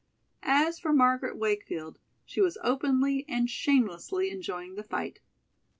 As for Margaret Wakefield, she was openly and shamelessly enjoying the fight.